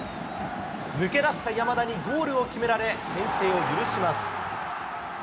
抜け出した山田にゴールを決められ、先制を許します。